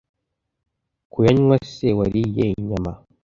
kuyanywa se wariye inyama